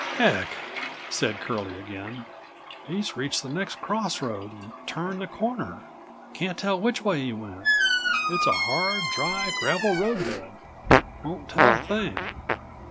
"Heck!" said Curlie again, "he's reached the next crossroad and turned the corner. Can't tell which way he went. It's a hard, dry gravel61 roadbed—won't tell a thing.